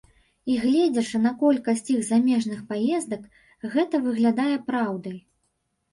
І, гледзячы на колькасць іх замежных паездак, гэта выглядае праўдай.